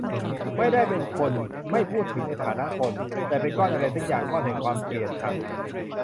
ไม่ได้เป็น-คน ไม่ถูกพูดถึงในฐานะ -คน แต่เป็นก้อนอะไรสักอย่าง ก้อนแห่งความเกลียดชัง